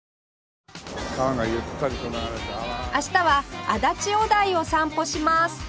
明日は足立小台を散歩します